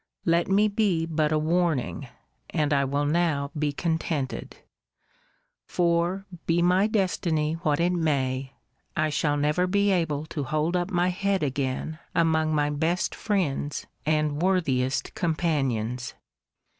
Let me be but a warning, and I will now be contented. For, be my destiny what it may, I shall never be able to hold up my head again among my best friends and worthiest companions.